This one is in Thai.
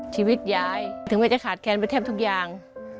ชีวิตยายถึงแม่จะขาดแคนไปแทบทุกอย่าง